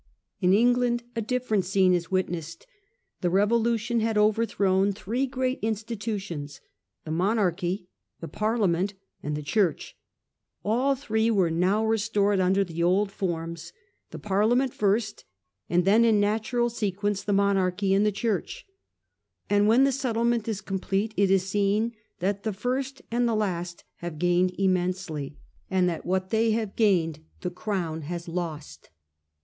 In England a different scene is witnessed. The revolution had overthrown three great institutions, the Monarchy, the Parliament, and the Church. All three are now restored, under the old forms ; the Parliament first, and then in natural sequence the Monarchy and the Church. And when the settlement is complete, it is seen that the first and the last have gained immensely, and that what they have gained the Crown has lost.